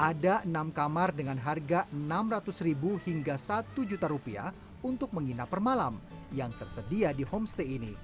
ada enam kamar dengan harga enam ratus ribu hingga satu juta rupiah untuk menginap per malam yang tersedia di homestay ini